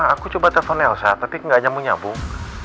aku coba telepon elsa tapi gak nyamuk nyambung